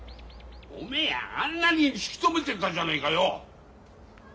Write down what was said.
おめえあんなに引き止めてたじゃねえかよ。